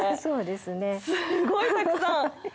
すごいたくさん！